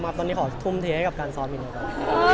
ตอนนี้ขอทุ่มเทให้กับการซอสมินดีกว่า